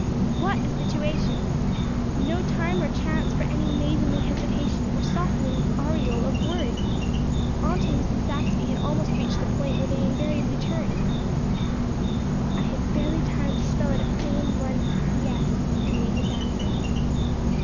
What a situation! No time or chance for any maidenly hesitation or softening aureole of words. Aunt and Mrs. Saxby had almost reached the point where they invariably turned. I had barely time to spell out a plain, blunt "yes" and read his answer.